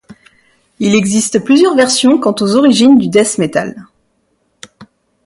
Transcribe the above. Il existe plusieurs versions quant aux origines du death metal.